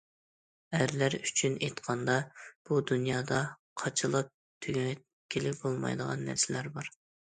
ئەرلەر ئۈچۈن ئېيتقاندا، بۇ دۇنيادا قاچىلاپ تۈگەتكىلى بولمايدىغان نەرسىلەر بار.